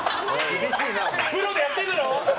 プロでやってるんだろ！